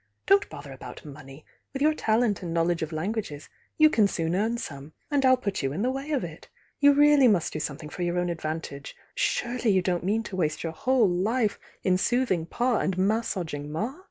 Don t bother about money,— with your talent and knowledge of languages you can soon earn some, and I'll put you in the way of it. You really must do something for your own advantage,— surely you don t mean to waste your whole life in soothing Pa and mas saging Ma?